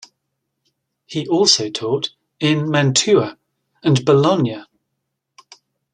He also taught in Mantua and Bologna.